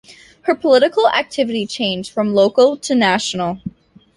Her political activity changed from local to national.